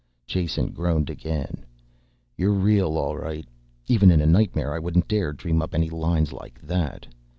Jason groaned again. "You're real all right. Even in a nightmare I wouldn't dare dream up any lines like that.